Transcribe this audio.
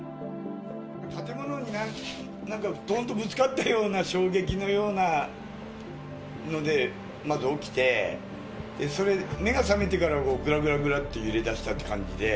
建物になんか、どんとぶつかったような衝撃のようなのでまず起きて、目が覚めてからぐらぐらぐらって揺れ出したって感じで。